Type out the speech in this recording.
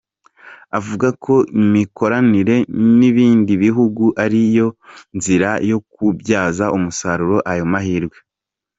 Avuga ko imikoranire n’ibindi bihugu ari yo nzira yo kubyaza umusaruro ayo mahirwe.